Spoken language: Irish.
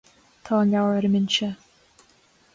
Tá an leabhar ar an mbinse